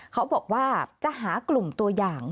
เขาบอกว่าจะหากลุ่มตัวอย่าง